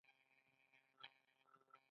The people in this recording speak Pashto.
آیا کشران د مشرانو په مخ کې سګرټ نه څکوي؟